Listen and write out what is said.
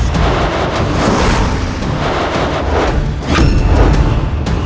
sambah permisi sebentar bu susino pati